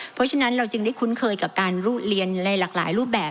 เพราะฉะนั้นเราจึงได้คุ้นเคยกับการเรียนในหลากหลายรูปแบบ